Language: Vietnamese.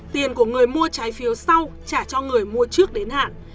tiền của người mua trái phiếu sau trả cho người mua trước đến hạn